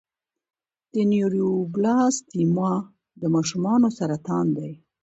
د نیوروبلاسټوما د ماشومانو سرطان دی.